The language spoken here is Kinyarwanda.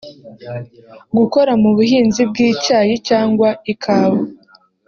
gukora mu buhinzi bw’icyayi cyangwa ikawa